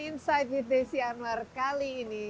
insight with desi anwar kali ini